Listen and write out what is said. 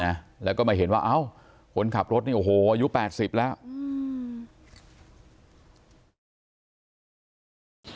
นะแล้วก็มาเห็นว่าเอ้าคนขับรถเนี่ยโอ้โหอายุแปดสิบแล้วอืม